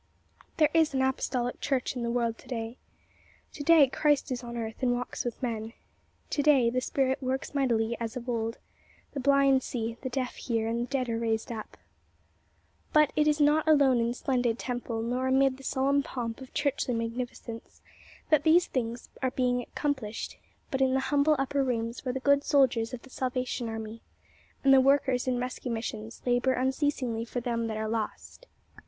There is an Apostolic Church in the world to day. To day Christ is on earth and walks with men. To day the Spirit works mightily as of old; the blind see, the deaf hear, and the dead are raised up. But it is not alone in splendid temple, nor amid the solemn pomp of churchly magnificence that these things are being accomplished, but in the humble upper rooms where the good soldiers of the Salvation Army, and the workers in Rescue Missions, labor unceasingly for them that are lost.